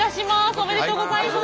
おめでとうございます。